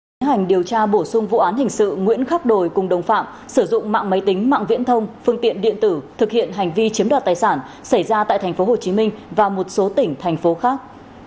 tiến hành điều tra bổ sung vụ án hình sự nguyễn khắc đồi cùng đồng phạm sử dụng mạng máy tính mạng viễn thông phương tiện điện tử thực hiện hành vi chiếm đoạt tài sản xảy ra tại tp hcm và một số tỉnh thành phố khác